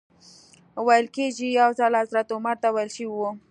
ویل کېږي یو ځل حضرت عمر ته ویل شوي و.